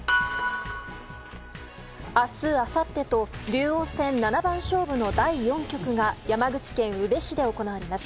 明日、あさってと竜王戦七番勝負の第４局が山口県宇部市で行われます。